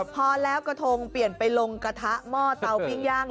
พอแล้วกระทงเปลี่ยนไปลงกระทะหม้อเตาปิ้งย่าง